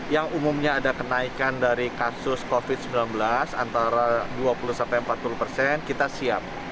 yang umumnya ada kenaikan dari kasus covid sembilan belas antara dua puluh empat puluh persen kita siap